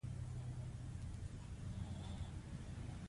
ساینسپوهان نوې لارې لټوي.